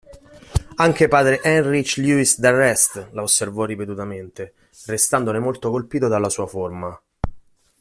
Anche Padre Heinrich Louis d'Arrest la osservò ripetutamente, restandone molto colpito dalla sua forma.